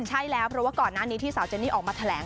ใช่แล้วเพราะว่าก่อนหน้านี้ที่สาวเจนนี่ออกมาแถลง